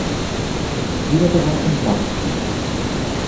Wiedergeburt im Glauben.